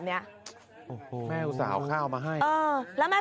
ทำไมสทำร้ายจิตใจ